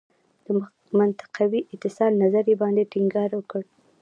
د منطقوي اتصال نظریې باندې ټینګار وکړ.